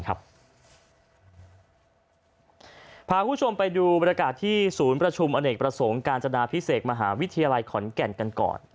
พาคุณผู้ชมไปดูบรรยากาศที่ศูนย์ประชุมอเนกประสงค์การจนาพิเศษมหาวิทยาลัยขอนแก่นกันก่อน